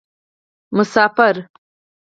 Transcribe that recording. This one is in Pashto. مسافر